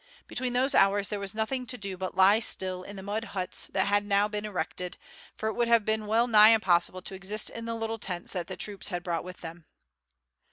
Between those hours there was nothing to do but to lie still in the mud huts that had now been erected, for it would have been well nigh impossible to exist in the little tents that the troops had brought with them.